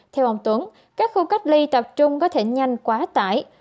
theo ông tuấn các khu cách ly tập trung có thể nhanh quá tải